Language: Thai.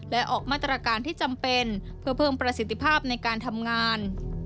และออกมาตรการที่จำเป็นเพื่อเพิ่มประสิทธิภาพในการทำงาน